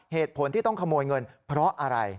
เหตุผลที่ต้องขโมยเงินเพราะอะไร